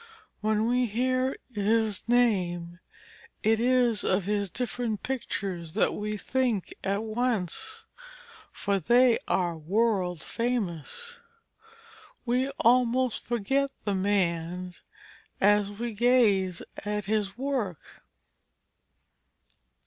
When we hear his name, it is of his different pictures that we think at once, for they are world famous. We almost forget the man as we gaze at his work.